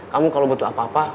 kamu kalau butuh apa apa